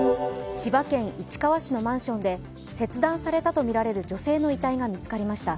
千葉県市川市のマンションで切断されたとみられる女性の遺体が見つかりました。